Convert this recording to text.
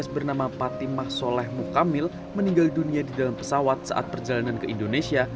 bernama patimah soleh mukamil meninggal dunia di dalam pesawat saat perjalanan ke indonesia